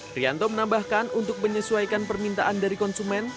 trianto menambahkan untuk menyesuaikan permintaan dari konsumen